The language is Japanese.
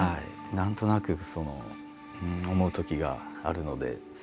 何となく思うときがあるので。